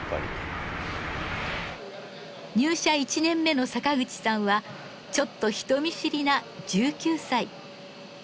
入社１年目の坂口さんはちょっと人見知りな１９歳。